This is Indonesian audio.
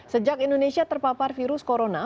sejak indonesia terpapar virus corona